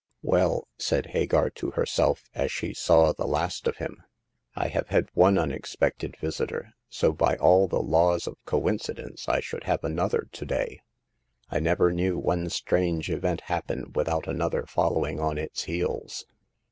'* Well,'' said Hagar to herself as she saw the last of him, I have had one unexpected visitor ; so by all the laws of coincidence I should have another to day. I never knew one strange event happen without another following on its heels."